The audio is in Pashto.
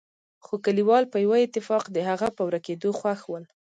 خو کليوال په يوه اتفاق د هغه په ورکېدو خوښ ول.